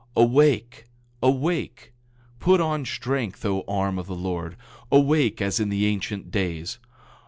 8:9 Awake, awake! Put on strength, O arm of the Lord; awake as in the ancient days.